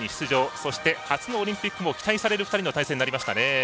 そして初のオリンピックも期待される２人の対戦になりましたね。